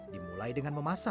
dimulai dengan memasak